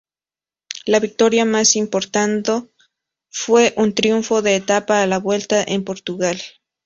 La victoria más importando fue un triunfo de etapa a la Vuelta en Portugal.